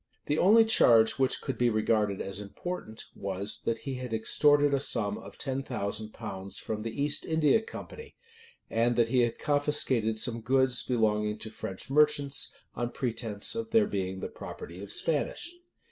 [] The only charge which could be regarded as important, was, that he had extorted a sum of ten thousand pounds from the East India company, and that he had confiscated some goods belonging to French merchants, on pretence of their being the property of Spanish.